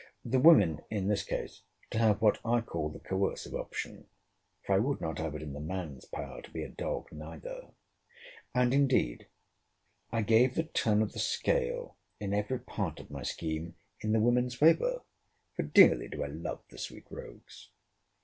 The women in this case to have what I call the coercive option; for I would not have it in the man's power to be a dog neither. And, indeed, I gave the turn of the scale in every part of my scheme in the women's favour: for dearly do I love the sweet rogues.